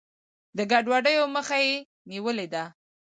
د ګډوډیو مخه یې نیولې ده.